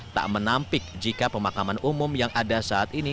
tak menampik jika pemakaman umum yang ada saat ini